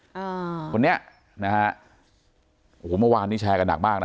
อ่าคนนี้นะฮะโอ้โหเมื่อวานนี้แชร์กันหนักมากน่ะ